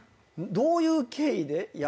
どういう経緯で？